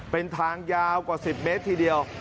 เป็นทางยาวกว่า๑๐เมตรทีเดียว